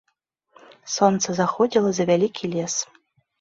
Сонца заходзіла за вялікі лес.